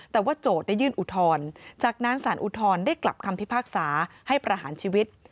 แต่ว่าโจทย์ได้ยื่นอุทธรณ์จากนั้นสารอุทธรณ์ได้กลับคำพิพากษาให้ประหารชีวิต